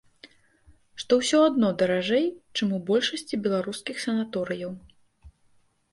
Што ўсё адно даражэй, чым у большасці беларускіх санаторыяў.